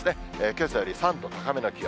けさより３度高めの気温。